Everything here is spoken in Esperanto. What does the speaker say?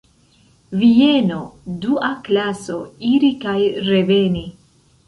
Vieno, dua klaso, iri kaj reveni.